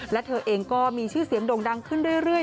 และเธอเองก็มีชื่อเสียงโด่งดังขึ้นเรื่อย